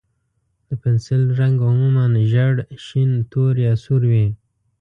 د پنسل رنګ عموماً ژېړ، شین، تور، یا سور وي.